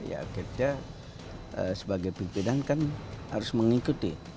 ya akhirnya sebagai pimpinan kan harus mengikuti